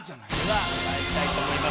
まいりたいと思います。